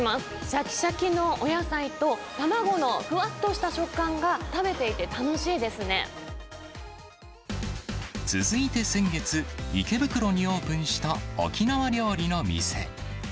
しゃきしゃきのお野菜と卵のふわっとした食感が、食べていて楽し続いて、先月、池袋にオープンした沖縄料理の店。